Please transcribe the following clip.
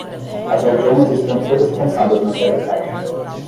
As algemas estão todas trancadas na velha caixa.